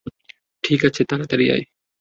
ঠিক আছে, তাড়াতাড়ি আয়।